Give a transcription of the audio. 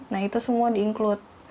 nah itu semua di include